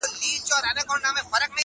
ويل موري ستا تر ژبي دي قربان سم!!